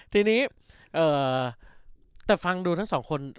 ทีนี้แต่ฟังดูทั้งสองคน